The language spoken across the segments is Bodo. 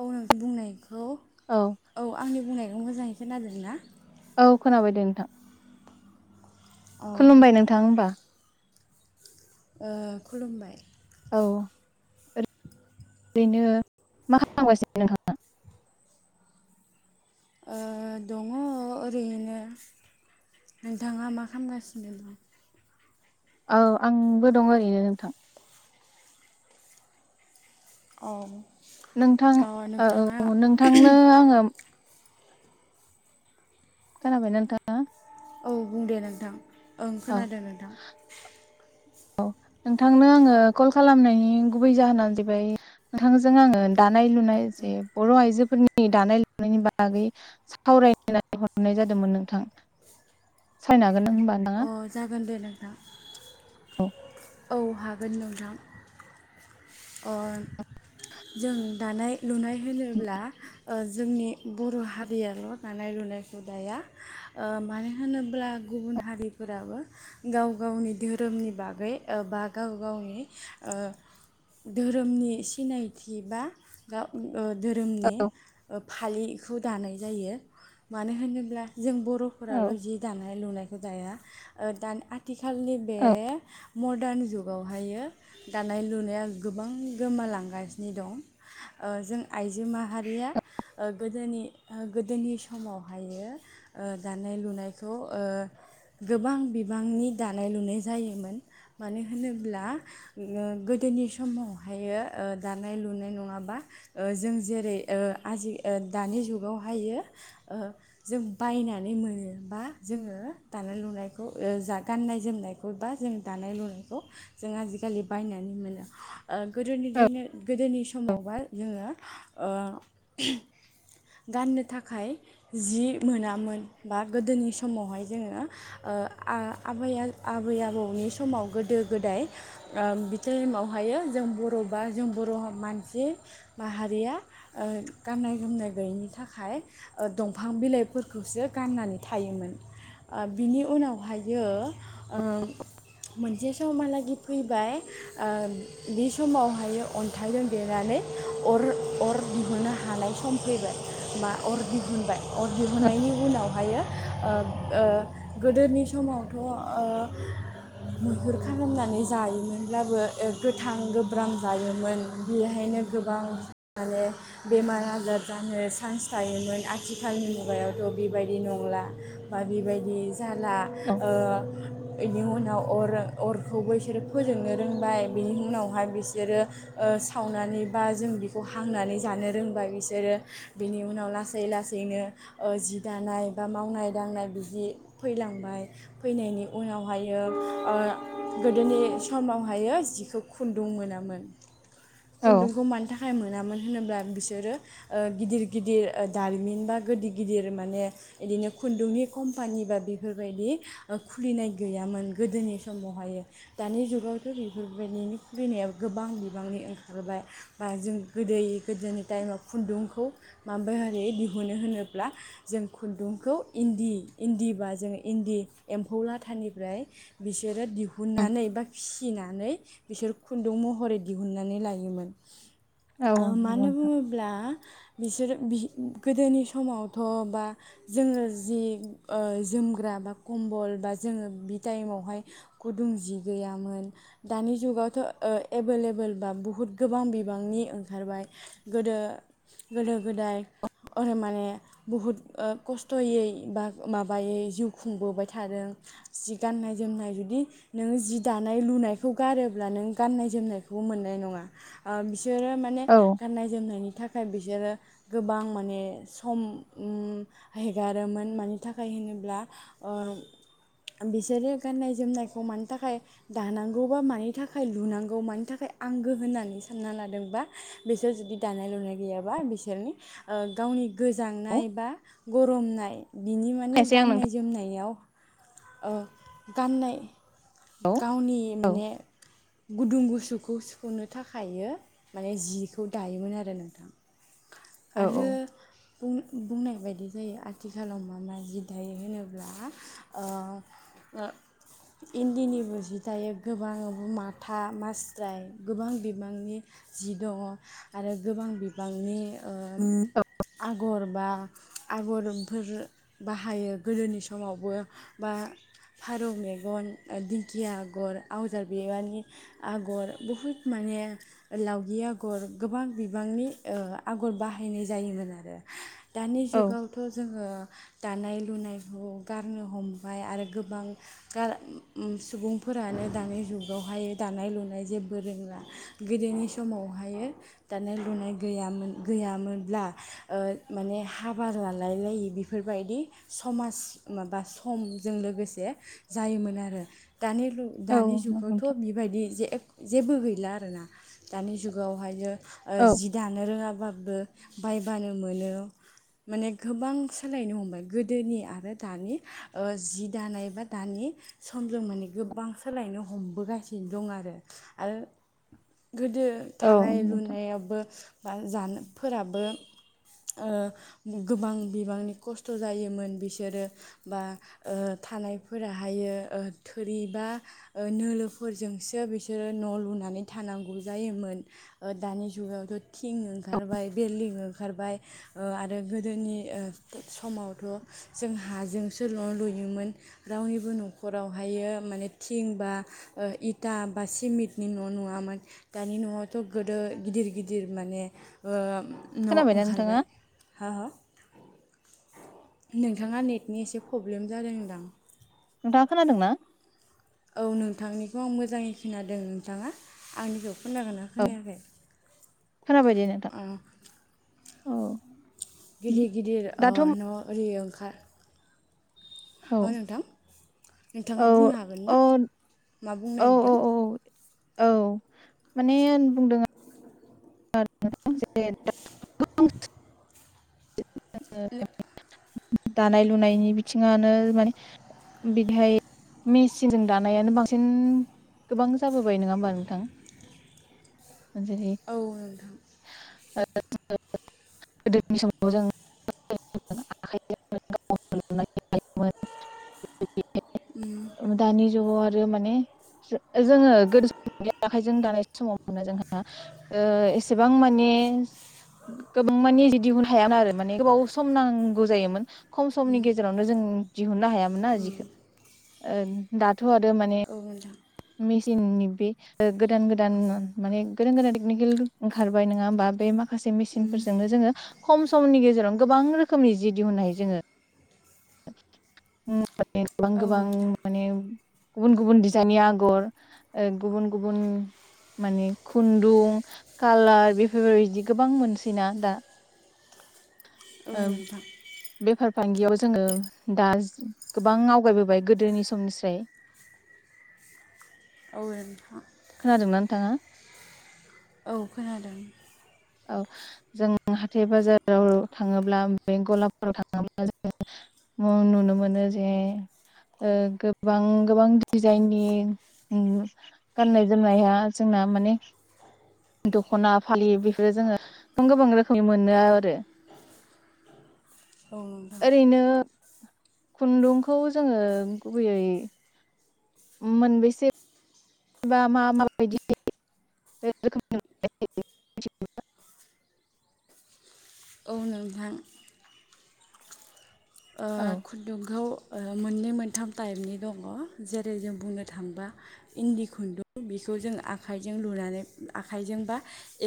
औ नोंथ' बुंनाय औ औ आंनि बुंनाय मोजाङै खोनादो ना? औ खोनाबाय दे नोंथां अ खुलुमबाय नोंथां होमबा ओ खुलुमबाय औ ओरैनो मा खालामगासिनो नोंथाङा? ओ दङ ओरैनो। नोंथाङा मा खालामगासिनो दं? औ आंबो दं ओरैनो नोंथां। अ नोंथां नोंथाङा औ नोंथांनो आङो खोनाबाय ना नोंथां? औ बुं दे नोंथां। ओं खोनादों नोंथां। औ नोंथांनो आङो कल खालामनायनि गुबै जाहोनानो जाबाय नोंथांजों आङो दा नाय लुनाय जे बर' आइजो फोरनि दानाय लुनायनि बागै सावरायनाय हरनाय जादोंमोन नोंथां। सावरायनो हागोन होनबा। नोंथाङा अ जागोन दे नोंथां। औ औ हागोन नोंथां, अ जों दानाय लुनाय होनोब्ला जोंनि बर' हारियाल' दानाय लुनायखौ दाया मानो होनोब्ला गुबुन हारिफोराबो गाव गावनि धोरोमनि बागै बा गाव गावनि ओ धोरोमनि सिनायथि बा गाव औ धोरोमनि फालिखौ दानाय जायो मानो होनोब्ला? जों औ बर'फोराल' जि दानाय लुनाय दाया ओ दा आ थिखालनि बे औ मडार्न जुगावहायो दानाय लुनाया गोबां गोमालांगासिनो दं, ओ जों आइजो माहारिया, ओ गोदोनि ओ गोदोनि समावहाय ओ दानाय लुनायखौ गोबां बिबांनि दानाय लुनाय जायोमोन। मानो होनोब्ला? गोदोनि समावहायो दानाय लुनाय नङाबा, जों जेरै आजि दानि जुगावहायो जों बायनानै मोनोबा जोङो दानाय लुनायखौ जा गाननाय जोमनायखौ बा जों दानाय लुनायखौ जों आजिखालि बायनानै मोनोनि औ ओ गोदोनि समावबा जोङो, ओ गाननो थाखाय जि मोनामोन बा गोदोनि समावहाय जोङो ओ आ-आबै-आबै आबौनि समाव गोदो गोदाय, ओ बि टाइमावहायो जों बर' बा जों बर' मानसि माहारिया ओ गाननाय जोमनाय गैयैनि थाखाय ओ दंफां बिलाइफोरखौसो गाननानै थायोमोन। ओ बिनि उनावहायो उम मोनसे सम मालागि फैबाय ओ बे समावहाय अन्थाइजों देनानै अर अर दिहुननो हानाय सम फैबाय। बा अर दिहुनबाय अर दिहुननायनि उनावहायो ओ ओ गोदोनि समावथ' मैहुर खालामनानै जायोमोनब्लाबो गोथां गोब्रां जायोमोन। बेहायनो गोबां माने बेमार आजार जानो चान्स थायोमोन, आथिखालनि मुगायावथ' बेबायदि नंला बा बेबायदि जाला औ ओ बेनि उनाव अर अरखौबो बिसोरो फोजोंनो रोंबाय, बिनि उनावहाय बिसोरो सावनानै बा जों बिखौ हांनानै जानो रोंबाय बिसोरो। बिनि उनाव लासै लासैनो जि दानाय बा मावनाय दांनाय बिदि फैलांबाय। फैनायनि उनावहायो ओ गोदोनि समावहाय जिखौ खुन्दुं मोनामोन। औ खुन्दुंखौ मानि थाखाय मोनामोन होनोब्ला? बिसोरो ओ गिदिर गिदिर दारिमिन बा, गिदिर गिदिर माने बिदिनो खुन्दुंनि कम्पानि बा बेफोरबायदि खुलिनाय गैयामोन। गोदोनि समावहाय दानि जुगावथ' बेफोरबायदिनो खुलिनाया गोबां बिबांनि ओंखारबाय, बा जों गोदो गोदोनि टाइमाव खुन्दुंखौ माबारै [unintelligible] दिहुुन नो होनोब्ला जों खुन्दुंखौ इन्दि इन्दि बा जों इन्दि एम्फौ लाथानिफ्राय बिसोरो दिहुननानै बा फिनानै बिसोर खुन्दुं महरै दिहुनन्नानै लायोमोन। औ नंगौ मानो नोंथां। बुङोब्ला? बिसोरो बि गोदोनि समावथ बा जोङो जि ओ जोमग्रा बा कम्बल बा जोङो बि टाइमाव वहाय गुदुं जि गैयामोन दानि जुगावथ ओ एभोलएबोेल बा बुहुत गोबां बिबांनि ओंखारबाय गोदो गोदो गोदाय माने बुहुद ओ खस्थयै बा माबायै जिउ खुंबोबाय थादों जि गाननाय जोमनाय जुदि नोंङो जि दानाय लुनायखौ गारोब्ला नों गानाय जोमनायखौबो मोननाय नंङा सोरो माने औ गाननाय जोमनायनि थाख थाखाय बिसोरो गोबां माने सम उम हेगारोमोन मानि थाखाय होनोब्ला ओ बिसोरो गाननाय जोमनायखौ मानि थाखाय दानांगौ बा मानि थाखाय लुनांगौ मानि थाखाय आंगो होननानै सानना लादोंबा बिसोर जुदि दानाय लुनाय गैयाबा बिसोरनि ओ गावनि औ गोजांनाय बा गरमनाय बिनि माने खायसे आं नोंथां गाननाय जोमनायाव ओ गाननाय औ गावनि औ माने गुदुं गुसुखौ सुफुंनो थाखायो माने जिखौ दायोमोन आरो नोंथां आरो औ बुं-बुंनाय बायदि जायो आथिखालाव मा मा जि दायो होनोब्ला ओ इन्दिनिबो जि दायो गोबां माथा मास्राय गोबां बिबांनि जि दङ आरो गोबां बिबांनि ओ आगर बा आगरफोर बाहायो गोदोनि समावबो बा फारौ मेगन ओ दिंखिया आगर आवजार बिबारनि आगर बहुद माने लावगि आगर गोबां बिबांनि ओ आगर बाहायनाय जायोमोन आरो दानि औ जुगावथ जोङो दानाय लुनायखौ गारनो हमबाय आरो गोबां गार सुबुंफोरानो दानि जुगावहाय दानाय लुनाय जेबो रोंला गोदोनि समावहायो दानाय लुनाय गैयामोन गैयामोनब्ला ओ माने हाबा लालाय लायि बेफोरबायदि समाज माबा समजों लोगोसे जायोमोन आरो दानि लु औ दानि नंगौ जुगावथ नोंथां बेबायदि जे जेबो गैला आरोना दानि जुगावहायो ओ औ जि दानो रोङाब बाबो बायबानो मोनो माने गोबां सोलायनो हमबाय गोदोनि आरो दानि ओ जि दानाय बा दानि समजों माने गोबां सोलायनो हमबोगासिनो दं आरो आरो गोदो औ थानाय नंगौ नोंथां लुनायावबो बा जानोफोराबो ओ गोबां बिबांनि खस्थ जायोमोन बिसोरो बा ओ थानायफोराहायो ओ थोरिबा नोलोफोरजोंसो बिसोरो न लुनानै थानांगौ जायोमोन दानि जुगावथ थिं ओंखारबाय बिल्डिं ओंखारबाय ओ आरो गोदोनि समावथ जों हाजों सो सो न लुयोमोन रावनिबो नखरावहायो माने थिं बा ओ इटा बा सिमेन्टनि न नुवामोन दानि नआवथ गोदो गिदिर गिदिर माने ओ न खोनाबायना नोंथाङा ओंखारबाय हा हा? नोंथाङा नेटनि एसे प्रब्लेम जादोंदां नोंथा खोनादोंना? औ नोंथांनिखौ आं मोजाङै खोनादों नोंथाङा आंनिखौ खोनागोना औ खोनायाखै? खोनाबाय दे नोंथां अ औ गिदिर गिदिर ओ दाथ' औ न ओरै ओंखा औ हो नोंथां? औ नोंथाङा बुंनो हागोन औ ना मा बुंनो औ नागिरदों? औ औ माने ओन बुंदों [unintelligible] [unintelligible] दानाय लुनायनि बिथिङानो माने बिहाय मेचिनजों दानायानो बांसिन गोबां जाबोबाय नङा ओमबा नोंथां? जेरै औ नोंथां। [unintelligible] [unintelligible] दानि जुगाव आर दो माने जो जोङो [unintelligible] आखाइजों दानाय समाव मोने जोंहा ओ एसे एसेबां माने गोबां माने जि दिहुन हायामोन आरो माने गोबाव सम नांगौ जायोमोन। खम समनि गेजेरावनो जों दिहुन ना हायामोन ना जिखौ ओन दाथ थ आरो माने औ नोंथां मेसिननि बे ओ गोदान गोदान माने गोदान गोदान टेकनिकेल ओंखारबाय नङा ओमबा बे मा? खासे मेसिनफोरजोंनो जोङो खम समनि गेजेरावनो गोबां रोखोमनि जि दिहुननो हायो जोङो उम माने गोबां औ गोबां नोंथां माने गुबुन गुबुन दिस फिसानि आगर ओ गुबुन गुबुन माने खुन्दुं कालार बेफोरबायदि गोबां मोनसैना दा। औ ओ नोंथां। बेफार फालांगियाव जोङो दाज गोबां आवगायबोबाय गोदोनि समनिसाय। औ नोंथां। खोनादोंना नोंथाङा? औ खोनादों। औ जों हाथाय बाजाराव थाङोब्ला बे गलाफोराव थाङोब्ला जों नुनो मोनो जे ओ गोबां गोबां दिजाइननि उम गाननाय जोमनाया जोंना माने दखना फालि बेफ आरो जोङो गोबां गोबां रोखोमनि मोनो आरो औ नोंथां। ओरैनो खुन्दुंखौ जोङो गुबैयै मोनबेसे बा मा माबायदि रोखोमनि मोननाय जायो मिथिगौना? औ नोंथां। ओ औ खुन्दुंखौ ओ मोननै मोनथाम टाइपनि दङ जेरै जों बुंनो थाङोबा इन्दि खुन्दुं बेखौ जों आखाइजों लुनानै आखाइजोंबा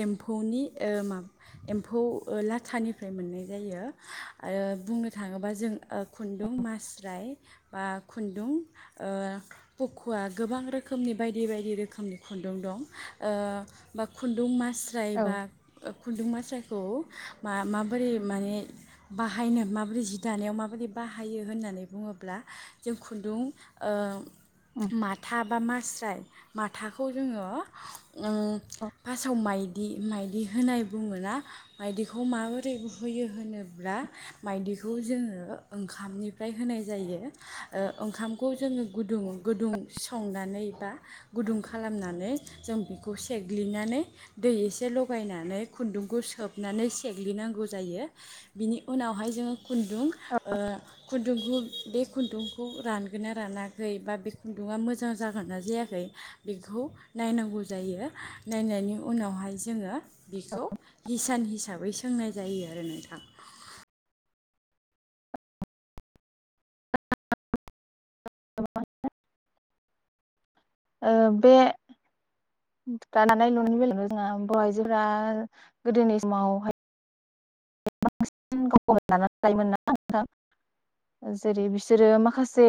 एम्फौनि ओ माब एम्फौ ओ लाथानिफ्राय मोननाय जायो आरो बुंनो थाङोबाज जों ओ खुन्दुं मास्राय बा खुन्दुं ओ पखुवा गोबां रोखोमनि बायदि बायदि रोखोमनि खुन्दुं दं ओ बा खुन्दुं मा औ स्रायबा ओ खुन्दुं मास्राखौ मा माबोरै माने बाहायनो माबोरै जि दानायाव माबायदि बाहायो होननानै बुङोब्ला जों खुन्दुं ओ उम माथा बा मास जाय माथाखौ जोङो उम ओ फासआव माइ दि माइदि होनाय बुङोना मायदिखौ माबोरै होयो होनोब्ला मायदिखौ बेखौ जोङो ओंखामनिफ्राय होनाय जायो ओ ओंखामखौ जोङो गुदुं गुदुं संनानै बा गुदुं खालामनानै जों बेखौ सेग्लिनानै दै एसे लगायनानै खुन्दुंखौ सोबनानै सेग्लिनांगौ जायो बिनि उनावहाय जोङो खुन्दुं ओ खुन्दुंखौ बे खुन्दुंखौ रानगोन ना रानाखै बा बे खुन्दुङा मोजां जागोन ना जायाखै बेखौ नायनांगौ जायो नायनायनि उनावहाय जोङो बेखौ हिसान हिसाबै सोंनाय जायो आरो नोंथां [inaudible] ओ बे दानायलुनायनि बेलायाव जोंहा [inaudible] गोदोनि समाव हाय बांसिन गावखौ [inaudible] लायोमोन ना जेरै बिसोरो माखासे